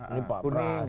ini pak pras